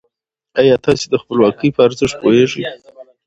ايا تاسې د خپلواکۍ په ارزښت پوهېږئ؟